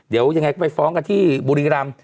เดี๋ยวยังไงก็ไปฟ้องกันที่บุรีรำ